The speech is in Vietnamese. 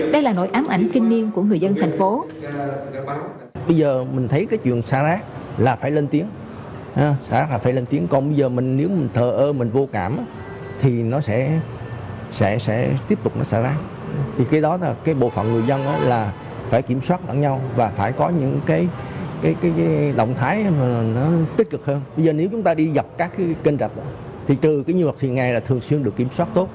đây là nỗi ám ảnh kinh niên của người dân thành phố